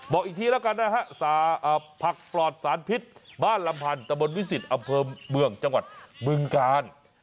บอกอีกทีแล้วกันนะฮะผักปลอดสารพิษบ้านลำพันตะบนวิสิตอำเภอเมืองจังหวัดบึงกาล